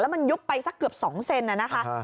แล้วมันยุบไปสักเกือบ๒เซนต์น่ะนะคะ